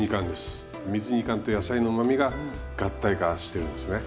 水煮缶と野菜のうまみが合体化してるんですね。